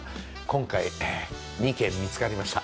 今回、２軒、見つかりました。